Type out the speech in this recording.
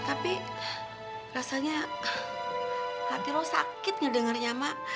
tapi rasanya hati lu sakit ngedengarnya mak